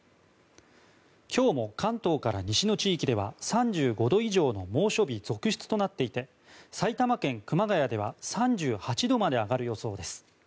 今日も関東から西の地域では３５度以上の猛暑日続出となっていて埼玉県熊谷では３８度まで上がる予想です。